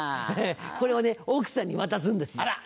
これをね奥さんに渡すんですよ。